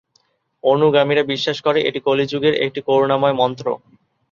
অনুগামীরা বিশ্বাস করে, এটি কলি যুগের একটি করুনাময় মন্ত্র।